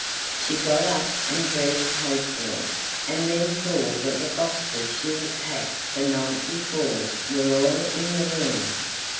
She got up and dressed hastily, and then saw that the boxes she had packed the night before were all in the room.